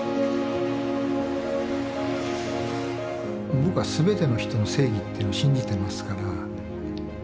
僕は全ての人の正義っていうのを信じてますから。